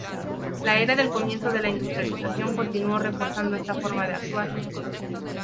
La era del comienzo de la industrialización continuó reforzando esta forma de actuar.